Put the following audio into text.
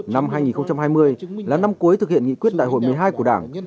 năm hai nghìn hai mươi là năm cuối thực hiện nghị quyết đại hội một mươi hai của đảng